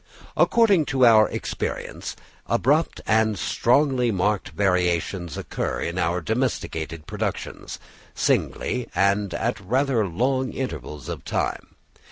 According to our experience, abrupt and strongly marked variations occur in our domesticated productions, singly and at rather long intervals of time.